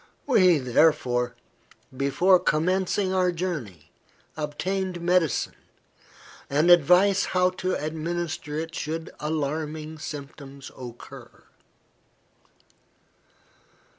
We, therefore, before commencing our journey, obtained medicine, and advice how to administer it should alarming symptoms occur."